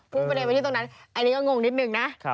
ประเด็นมาที่ตรงนั้นอันนี้ก็งงนิดนึงนะ